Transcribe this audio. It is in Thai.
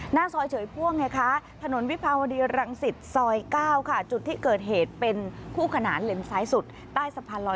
หน้าซอยเฉยพ่วงถนนวิภาวดีรังศิษย์ซอย๙